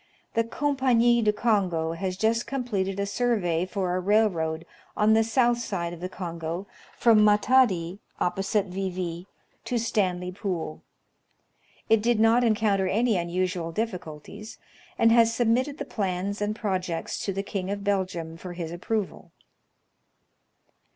The Compagnie du Congo has just com pleted a survey for a railroad on the south side of the Kongo, from Matadi, opposite Vivi, to Stanley Pool. It did not encoun ter any unusual difficulties, and has submitted the plans and pro jects to the King of Belgium for his appi'oval.